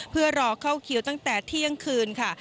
เพื่อรอเข้าคิวตั้งแต่เที่ยงคืนค่ะ